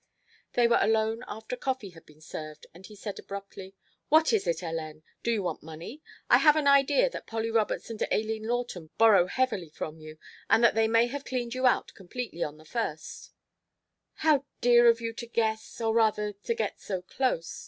They were alone after coffee had been served, and he said abruptly: "What is it, Hélène? Do you want money? I have an idea that Polly Roberts and Aileen Lawton borrow heavily from you, and that they may have cleaned you out completely on the first " "How dear of you to guess or rather to get so close.